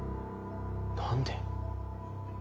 何で？